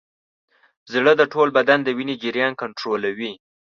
زړه د ټول بدن د وینې جریان کنټرولوي.